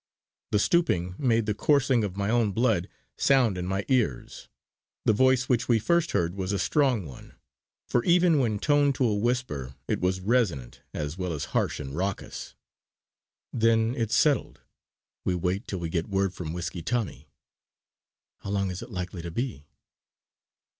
The stooping made the coursing of my own blood sound in my ears. The voice which we first heard was a strong one, for even when toned to a whisper it was resonant as well as harsh and raucous: "Then it's settled we wait till we get word from Whiskey Tommy. How long is it likely to be?"